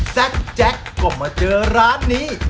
แจ็คก็มาเจอร้านนี้